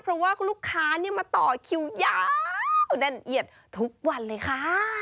เพราะว่าลูกค้ามาต่อคิวยาวแน่นเอียดทุกวันเลยค่ะ